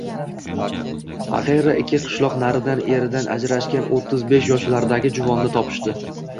Axiyri ikki qishloq naridan eridan ajrashgan o`ttiz besh yoshlardagi juvonni topishdi